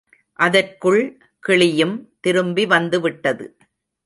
அதற்குள் கிளியும் திரும்பி வந்துவிட்டது.